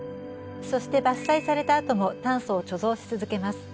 そして伐採された後も炭素を貯蔵し続けます。